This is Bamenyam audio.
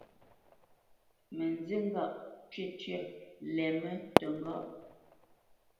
Mə nzí ŋgâʼ cwítyə́ lɛmə́ təŋgáʼ.